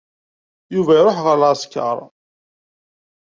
Yuba iruḥ ɣer leɛsker.